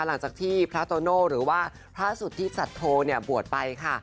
หลังจากที่พระโตโน่หรือว่าพระสุทธิสัตโธบวชไปค่ะ